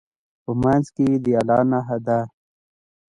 په منځ کې یې د الله نښه ده.